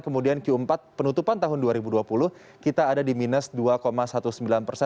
kemudian q empat penutupan tahun dua ribu dua puluh kita ada di minus dua sembilan belas persen